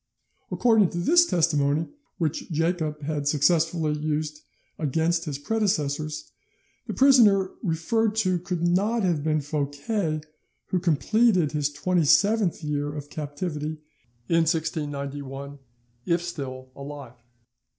According to this testimony, which Jacob had successfully used against his predecessors, the prisoner referred to could not have been Fouquet, who completed his twenty seventh year of captivity in 1691, if still alive.